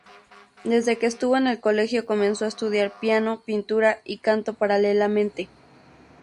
Desde que estuvo en el colegio comenzó a estudiar piano, pintura y canto paralelamente.